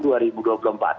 baik bang sukur mas hanta